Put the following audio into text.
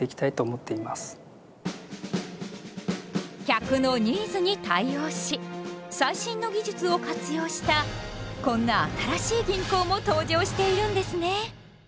客のニーズに対応し最新の技術を活用したこんな新しい銀行も登場しているんですね。